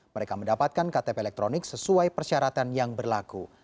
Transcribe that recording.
mereka mendapatkan ktp elektronik sesuai persyaratan yang berlaku